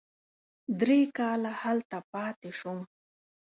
درې کاله هلته پاتې شوم.